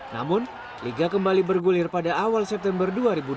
namun liga kembali bergulir pada awal september dua ribu dua puluh